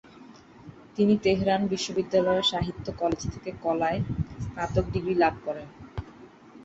তিনি তেহরান বিশ্ববিদ্যালয়ের সাহিত্য কলেজ থেকে কলায় স্নাতক ডিগ্রি লাভ করেন।